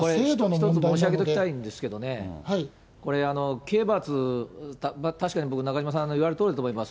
一つ申し上げておきたいんですけどね、刑罰、確かに僕、中島さんの言われたとおりだと思います。